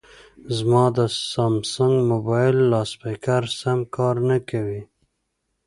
زما د سامسنګ مبایل لاسپیکر سم کار نه کوي